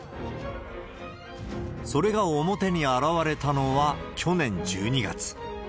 それが表に現れたのは去年１２月。